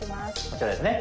こちらですね。